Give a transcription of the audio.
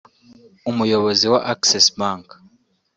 Umuyobozi wa Access Bank